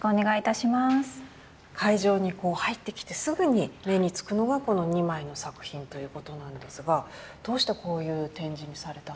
会場に入ってきてすぐに目に付くのがこの２枚の作品ということなんですがどうしてこういう展示にされたんですか？